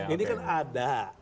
ini kan ada